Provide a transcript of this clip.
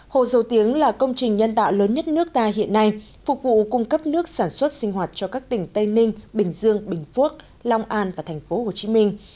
hồ dầu tiếng là công trình nhân tạo lớn nhất nước ta hiện nay phục vụ cung cấp nước sản xuất sinh hoạt cho các tỉnh tây ninh bình dương bình phuốc long an và thành phố hồ chí minh